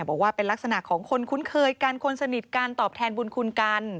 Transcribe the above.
บอกว่าเป็นลักษณะของคนคุ้นเคยกันคนสนิทกันตอบแทนบุญคุณกัน